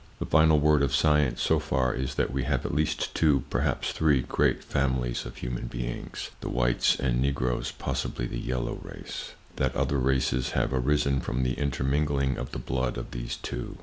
The final word of science, so far, is that we have at least two, perhaps three, great families of human beings—the whites and Negroes, possibly the yellow race. That other races have arisen from the intermingling of the blood of these two.